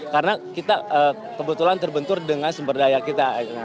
karena kita kebetulan terbentur dengan sumber daya kita